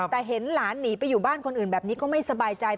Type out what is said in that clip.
แต่เห็นหลานหนีไปอยู่บ้านคนอื่นแบบนี้ก็ไม่สบายใจ